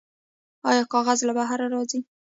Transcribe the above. آیا کاغذ له بهر راځي؟